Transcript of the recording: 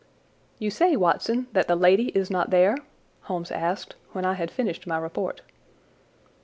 "You say, Watson, that the lady is not there?" Holmes asked when I had finished my report.